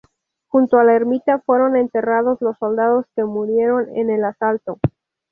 Junto a la ermita fueron enterrados los soldados que murieron en el asalto.